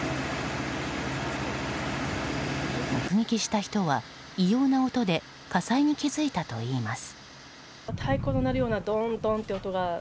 目撃した人は異様な音で火災に気付いたといいます。